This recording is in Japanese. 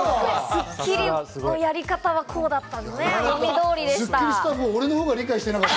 『スッキリ』のやり方はこうだった。